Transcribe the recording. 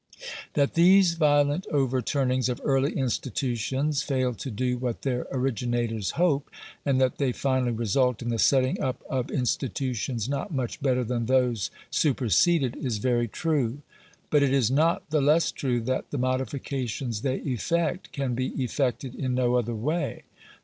That these violent overturnings of early institutions fail to do what their originators hope, and that they finally result in the setting up of institutions not much better than those super seded, is very true (p. 244). But it is not the less true that the modifications they effect can be effected in no other way.